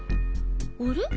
あれ？